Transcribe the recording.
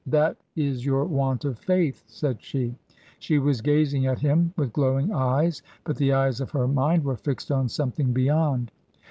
" That is your want of faith !" said she. She was gazing at him with glowing eyes, but the eyes of her mind were fixed on something beyond.